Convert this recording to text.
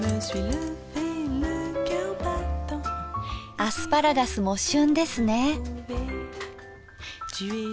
アスパラガスも旬ですね。